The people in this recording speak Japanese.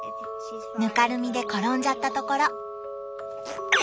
ぬかるみで転んじゃったところ。